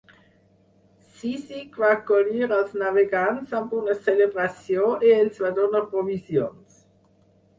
Cízic va acollir als navegants amb una celebració i els va donar provisions.